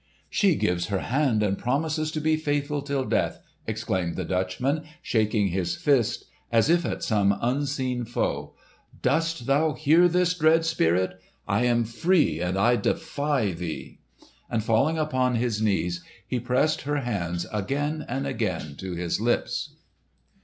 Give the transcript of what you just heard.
"She gives her hand, and promises to be faithful till death!" exclaimed the Dutchman, shaking his fist as if at some unseen foe. "Dost thou hear this—dread Spirit? I am free, and I defy thee!" And falling upon his knees he pressed her hands again and again to his lips.